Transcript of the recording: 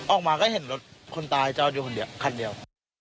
ออกมาก็เห็นรถคนนี้จอดอยู่คันเดียว